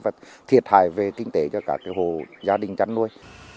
và thiệt hại về kinh tế cho các hồ gia đình chăn nuôi